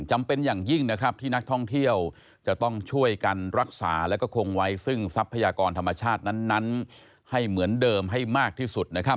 จำเป็นอย่างยิ่งนะครับที่นักท่องเที่ยวจะต้องช่วยกันรักษาแล้วก็คงไว้ซึ่งทรัพยากรธรรมชาตินั้นให้เหมือนเดิมให้มากที่สุดนะครับ